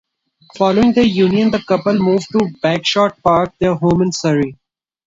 Following their union, the couple moved to Bagshot Park, their home in Surrey.